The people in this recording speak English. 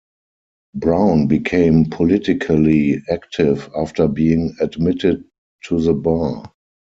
Brown became politically active after being admitted to the bar.